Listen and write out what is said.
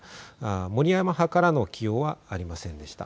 森山派からの起用はありませんでした。